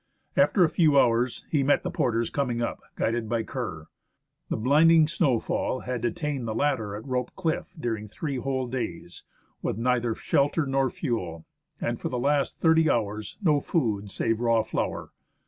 After a few hours, he met the porters coming up, guided by Kerr. The blind ing snowfall had detained the latter at Rope Cliff during three whole days, with neither shelter nor fuel, and, for the last thirty hours, no food save raw flour.